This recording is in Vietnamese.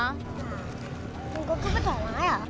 nhưng con cứ vứt thoải mái ạ